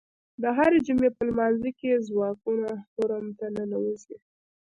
د هرې جمعې په لمانځه کې یې ځواکونه حرم ته ننوځي.